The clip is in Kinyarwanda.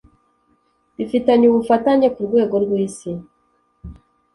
bifitanye ubufatanye ku rwego rw’isi